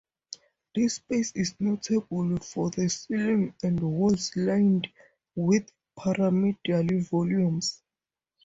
This space is notable for the ceiling and walls lined with pyramidal volumes.